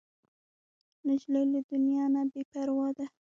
نجلۍ له دنیا نه بې پروا ده.